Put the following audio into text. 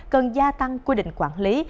cần gia tăng quy định quản lý